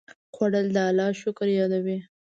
خوړل د الله شکر یادوي